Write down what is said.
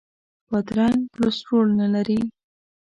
بادرنګ کولیسټرول نه لري.